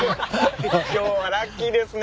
今日はラッキーですね。